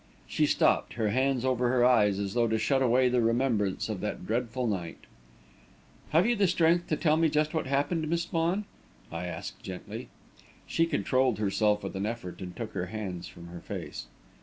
She stopped, her hands over her eyes, as though to shut away the remembrance of that dreadful sight. "Have you strength to tell me just what happened, Miss Vaughan?" I asked gently. She controlled herself with an effort and took her hands from her face.